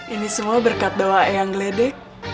ini semua berkat doa eyang geledek